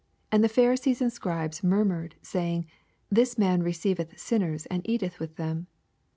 2 And the Pharisees and Scribes murmured, saying, This man receiv eth sinners, and eateth with them.